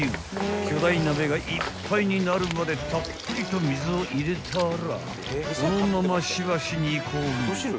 ［巨大鍋がいっぱいになるまでたっぷりと水を入れたらこのまましばし煮込む］